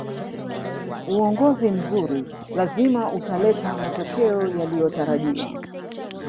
uongozi mzuri lazima utaleta matokeo yaliyotarajiwa